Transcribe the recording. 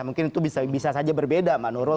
mungkin itu bisa saja berbeda mbak nurul